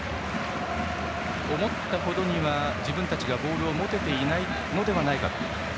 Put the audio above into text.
思ったほどには自分たちがボールを持てていないのではないか。